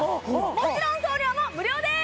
もちろん送料も無料です！